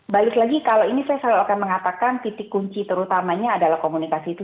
balik lagi kalau ini saya selalu akan mengatakan titik kunci terutamanya adalah komunikasi itu